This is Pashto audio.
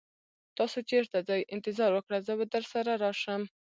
تاسو چیرته ځئ؟ انتظار وکړه، زه به درسره راشم.